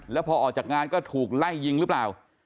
แล้วพอออกจากงานก็ถูกไล่ยิงหรือเปล่า